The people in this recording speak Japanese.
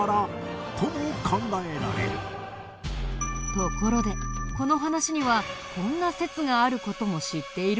ところでこの話にはこんな説がある事も知っているかな？